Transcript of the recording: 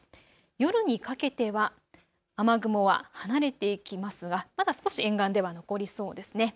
夜にかけては雨雲は離れていきますがまだ少し沿岸では残りそうですね。